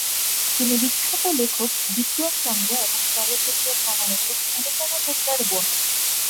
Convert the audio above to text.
তিনি বিখ্যাত লেখক বিক্রম চন্দ্র এবং চলচ্চিত্র সমালোচক অনুপমা চোপড়ার বোন।